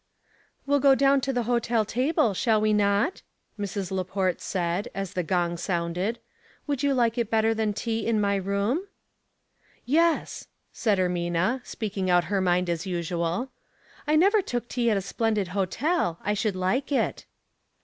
We'll go down to the hotel table, shall we not?" JMrs. Laport asked, as the gong sounded. *' Would you like it better than tea in my room ?" "Yes," said Ermina, speaking out her mind as usual. "I never took tea at a splendid hotel. I should like it."